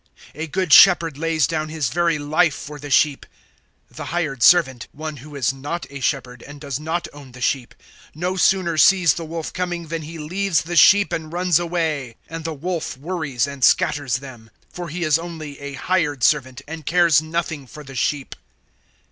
A good shepherd lays down his very life for the sheep. 010:012 The hired servant one who is not a shepherd and does not own the sheep no sooner sees the wolf coming than he leaves the sheep and runs away; and the wolf worries and scatters them. 010:013 For he is only a hired servant and cares nothing for the sheep.